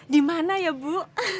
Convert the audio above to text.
di mana ya bu